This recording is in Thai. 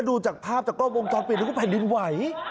ดูจากภาพจากกล้องท้อนเปลี่ยนก็แผ่นดินไหว